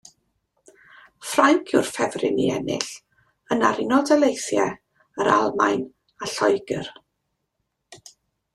Ffrainc yw'r ffefryn i ennill, yna'r Unol Daleithiau, yr Almaen a Lloegr.